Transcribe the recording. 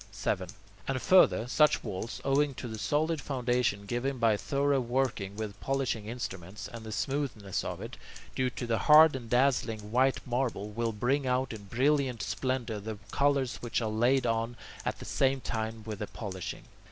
7. And further, such walls, owing to the solid foundation given by thorough working with polishing instruments, and the smoothness of it, due to the hard and dazzling white marble, will bring out in brilliant splendour the colours which are laid on at the same time with the polishing.